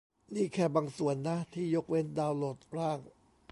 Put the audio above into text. นี่แค่บางส่วนนะ ที่ยกเว้น ดาวน์โหลดร่าง